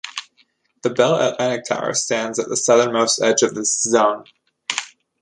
The Bell Atlantic Tower stands at the southernmost edge of this zone.